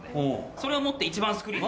それを持って１番スクリーン。